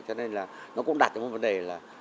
cho nên là nó cũng đặt ra một vấn đề là